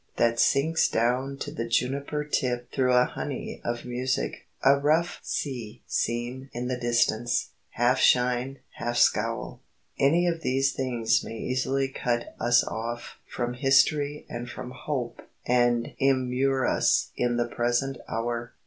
that sinks down to the juniper tip through a honey of music, a rough sea seen in the distance, half shine, half scowl any of these things may easily cut us off from history and from hope and immure us in the present hour.